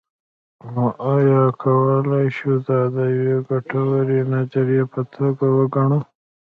نو ایا کولی شو دا د یوې ګټورې نظریې په توګه وګڼو.